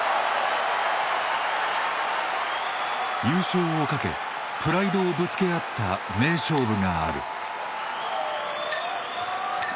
優勝をかけプライドをぶつけ合った名勝負がある。